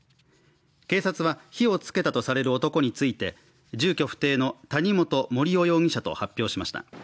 警察は火をつけたとされる男について住居不定の谷本盛雄容疑者と発表しました。